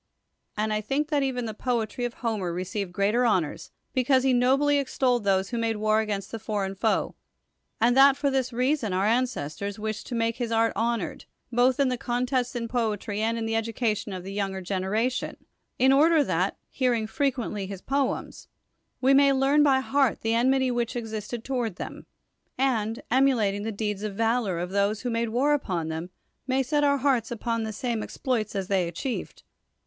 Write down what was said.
And I tliink that even the poetry of Iloiiier received iiTcalrr honors, IxH ansr* he nobly ex tolled those who made war against the foreign foe: and that for this i'(>ason our ancestors wished to nuike his art honored, both in the con 9", THE WORLD'S FAMOUS ORATIONS tests in poetry and in the education of the younger generation, in order that, hearing fre quently his poems, we may learn by heart the enmity which existed toward them, and, emu lating the deeds of valor of those who made war upon them, may set our hearts upon the same exploits as they achieved.